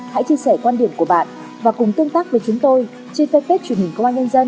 hãy chia sẻ quan điểm của bạn và cùng tương tác với chúng tôi trên fanpage truyền hình công an nhân dân